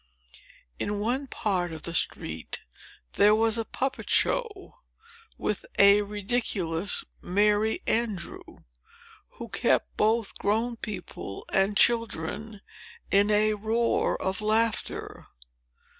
In one part of the street, there was a puppet show, with a ridiculous Merry Andrew, who kept both grown people and children in a roar of laughter.